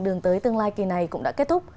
đường tới tương lai kỳ này cũng đã kết thúc